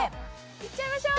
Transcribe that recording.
いっちゃいましょう！